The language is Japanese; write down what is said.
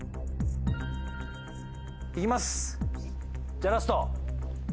じゃあラスト。